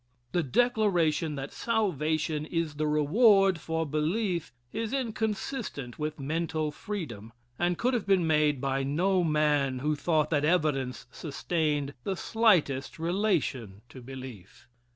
The declaration that salvation is the reward for belief is inconsistent with mental freedom, and could have been made by no man who thought that evidence sustained the slightest relation to belief.